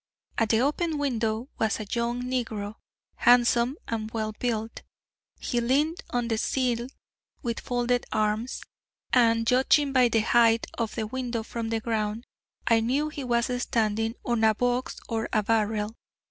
At the open window was a young negro, handsome and well built. He leaned on the sill with folded arms, and, judging by the height of the window from the ground, I knew he was standing on a box or a barrel.